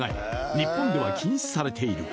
日本では禁止されている。